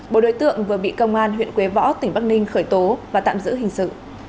bộ đối tượng vừa bị công an huyện quế võ tỉnh bắc ninh khởi tố và tạm giữ hình sự